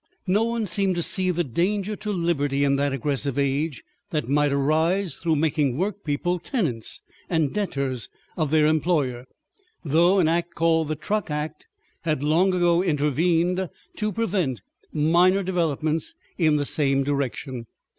No one seemed to see the danger to liberty in that aggressive age, that might arise through making workpeople tenants and debtors of their employer, though an Act called the Truck Act had long ago intervened to prevent minor developments in the same direction.